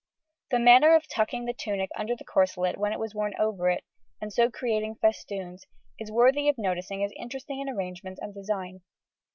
The manner of tucking the tunic under the corselet when it was worn over it, and so creating festoons, is worthy of notice as interesting in arrangement and design.